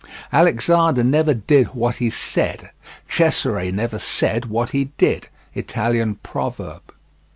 Alexander never did what he said, Cesare never said what he did. Italian Proverb.